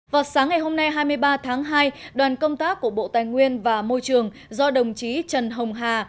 vào sáng ngày hôm nay hai mươi ba tháng hai đoàn công tác của bộ tài nguyên và môi trường do đồng chí trần hồng hà